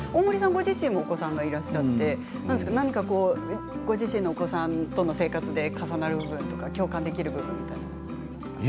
ご自身もお子さんがいらっしゃって何かご自身、お子さんとの生活で重なる部分とか共感できる部分ありますか？